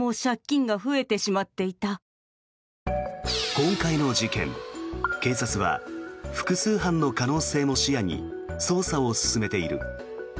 今回の事件警察は複数犯の可能性も視野に捜査を進めている。